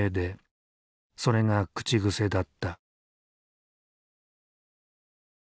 それが口癖だった。